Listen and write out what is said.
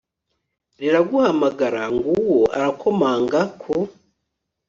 riraguhamagara, ng'uwo arakomanga ku